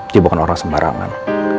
dia bukan orang sembarangan